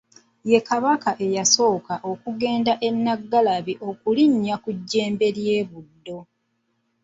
Ye Kabaka eyasooka okugenda e Naggalabi okulinnya ku jjembe lya Buddo.